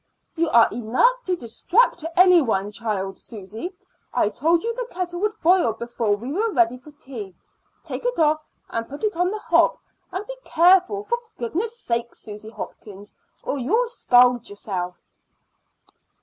"You are enough to distract any one, child. Susy, I told you the kettle would boil before we were ready for tea. Take it off and put it on the hob; and be careful, for goodness' sake, Susy Hopkins, or you'll scald yourself."